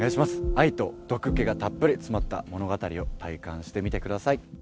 愛と毒気がたっぷり詰まった物語を体感してみてください